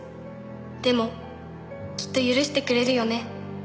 「でもきっと許してくれるよね」